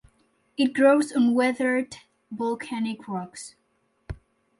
It grows on weathered volcanic rocks.